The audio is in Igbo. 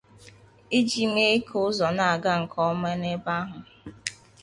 iji mee ka ụzọ na-aga nke ọma n'ebe ahụ